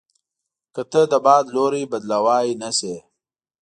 که ته د باد لوری بدلوای نه شې.